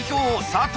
佐藤